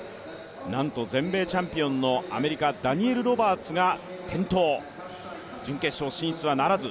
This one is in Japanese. なんと全米チャンピオンのアメリカ・ダニエル・ロバーツが転倒、準決勝進出はならず。